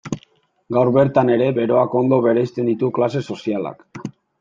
Gaur bertan ere beroak ondo bereizten ditu klase sozialak.